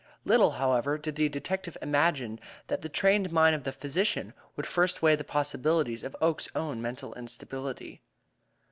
Little, however, did the detective imagine that the trained mind of the physician would first weigh the possibilities of Oakes's own mental instability.